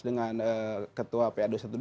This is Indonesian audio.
dengan ketua pa dua ratus dua belas